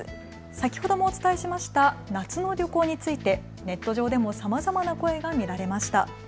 先ほどもお伝えしました夏の旅行についてネット上でもさまざまな声が見られました。